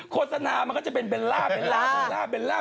โฆษณามันก็จะเป็นเบลล่าเบลล่าเบลล่าเบลล่า